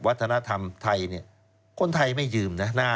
วัฒนธรรมไทยเนี่ยคนไทยไม่ยืมนะ